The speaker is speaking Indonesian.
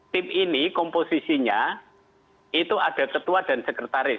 tim ini komposisinya itu ada ketua dan sekretaris